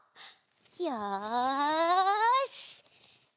よし！